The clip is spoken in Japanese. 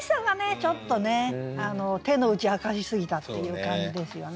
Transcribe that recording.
ちょっとね手の内明かしすぎたっていう感じですよね。